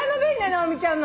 直美ちゃん